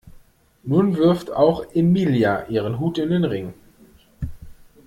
Nun wirft auch Emilia ihren Hut in den Ring.